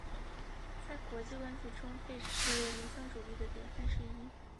在国际关系中被视为理想主义的典范之一。